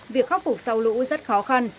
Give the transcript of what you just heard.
việc khắc phục sau lũ rất khó khăn